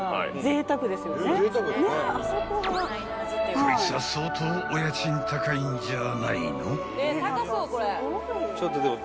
［こいつは相当お家賃高いんじゃあないの？］